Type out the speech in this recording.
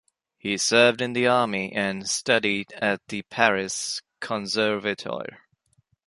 He served in the army and studied at the Paris Conservatoire.